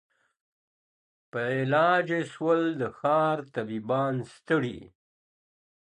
په علاج یې سول د ښار طبیبان ستړي.